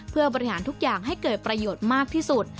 เพื่อบริหารทุกอย่างให้เกิดประโยชน์มากที่สุด